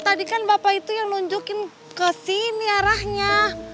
tadi kan bapak itu yang nunjukin kesini arahnya